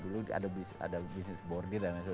dulu ada bisnis bordir